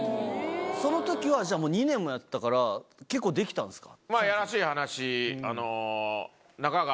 そのときはじゃあもう２年もやってたから結構できたんですか？